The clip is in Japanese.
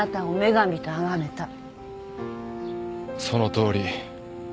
そのとおり。